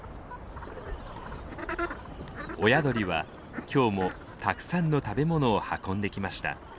親鳥は今日もたくさんの食べ物を運んできました。